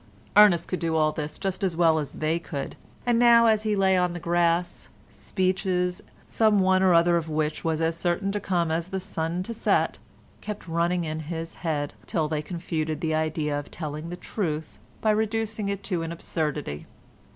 Ernest could do all this just as well as they could, and now, as he lay on the grass, speeches, some one or other of which was as certain to come as the sun to set, kept running in his head till they confuted the idea of telling the truth by reducing it to an absurdity.